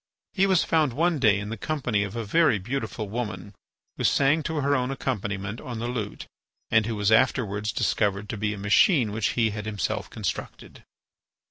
He was found one day in the company of a very beautiful woman who sang to her own accompaniment on the lute, and who was afterwards discovered to be a machine which he had himself constructed.